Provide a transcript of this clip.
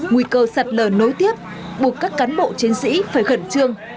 nguy cơ sạt lở nối tiếp buộc các cán bộ chiến sĩ phải khẩn trương